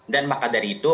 dan maka dari itu